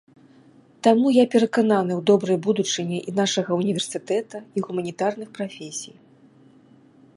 Таму я перакананы ў добрай будучыні і нашага ўніверсітэта, і гуманітарных прафесій.